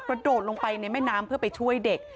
โดดลงไปในแม่น้ำเพื่อไปช่วยเด็ก